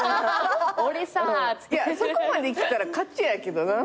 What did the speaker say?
そこまできたら勝ちやけどな。